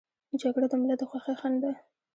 جګړه د ملت د خوښۍ خنډ ده